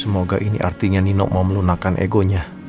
semoga ini artinya nino mau melunakan egonya